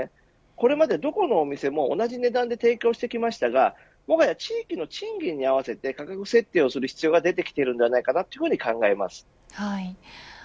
これまで、どこのお店も同じ値段で提供してきましたがもはや地域の賃金に合わせて価格設定する必要が出てきていると考えます。